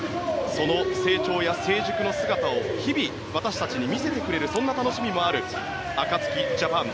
その成長や成熟の姿を日々、私たちに見せてくれるそんな楽しみもあるＡＫＡＴＳＵＫＩＪＡＰＡＮ